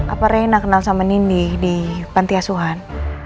apa reina kenal sama nindi di pantiasuhan